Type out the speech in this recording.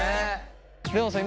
レオンさん